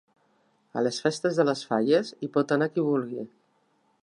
A les festes de les falles hi pot anar qui vulgui.